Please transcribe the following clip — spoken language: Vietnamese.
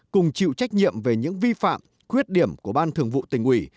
cùng chịu trách nhiệm về những vi phạm khuyết điểm của ban thường vụ tỉnh ủy